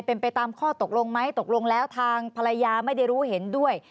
เป็นไปตามข้อตกลงไหมตกลงแล้วทางภรรยาไม่ได้รู้เห็นด้วย